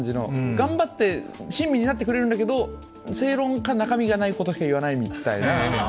頑張って親身になってくれるんだけど、正論か中身がないことしか言わないような。